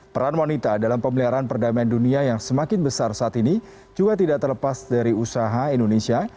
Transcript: peran wanita dalam pemeliharaan perdamaian dunia yang semakin besar saat ini juga tidak terlepas dari usaha indonesia